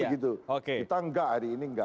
kan begitu kita enggak hari ini enggak